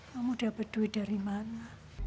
kamu dapat duit dari mana